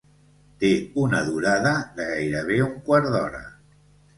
Té una durada de gairebé un quart d'hora.